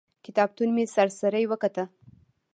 کتابتون مې سر سري وکت.